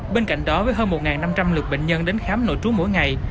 bên cạnh đó với hơn một năm trăm linh lượt bệnh nhân đến khám nội trú mỗi ngày